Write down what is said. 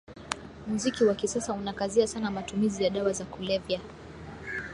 Muziki wa kisasa unakazia sana matumizi ya dawa za kulevya